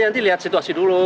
nanti lihat situasi dulu